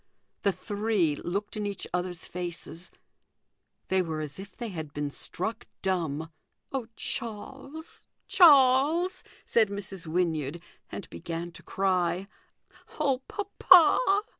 The three looked in each other's 290 THE GOLDEN RULE. faces they were as if they had been struck dumb. '" Oh, Charles, Charles !" said Mrs. Wynyard, and began to cry ;" Oh, papa